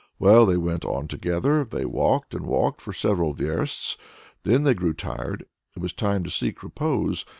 Well, they went on together. They walked and walked for several versts, then they grew tired. It was time to seek repose.